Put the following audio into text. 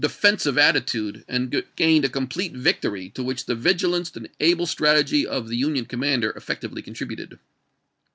feiisive attitude, and gained a complete victory, to wliieli the vigilance and able strategy of the Union commander effectively contributed.